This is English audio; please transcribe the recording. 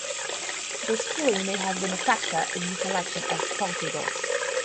This story may have been a factor in his selection as party boss.